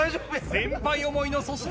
先輩思いの粗品。